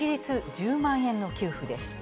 １０万円の給付です。